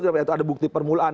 yaitu ada bukti permulaan